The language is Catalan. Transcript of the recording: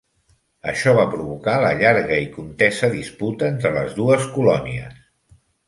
Això va provocar la llarga i contesa disputa entre les dues colònies.